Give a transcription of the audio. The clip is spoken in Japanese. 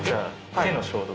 手の消毒？